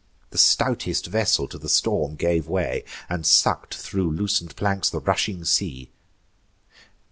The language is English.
The stoutest vessel to the storm gave way, And suck'd thro' loosen'd planks the rushing sea.